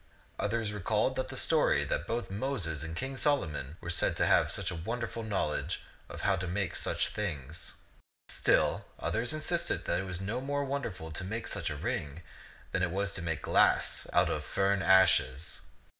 Others recalled the story that both Moses and King Solomon were said to have had wonderful knowledge of how to make such things. Still others insisted that it was no more won derful to make such a ring than it was to make glass out of fern ashes.